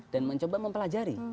dan mencoba mempelajari